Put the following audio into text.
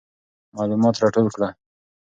معلومات راټول کړه.